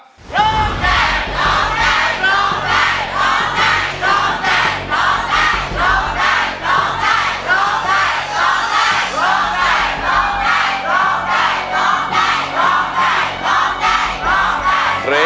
ร้องได้ร้องได้พร้อมได้